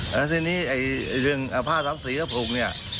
แล้วทีนี้เรื่องภาพทัพศรีก็ปลูกเนี่ย